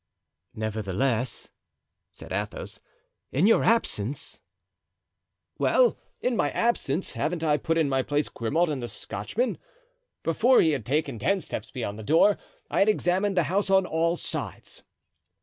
"Nevertheless," said Athos, "in your absence——" "Well, in my absence haven't I put in my place Grimaud and the Scotchman? Before he had taken ten steps beyond the door I had examined the house on all sides.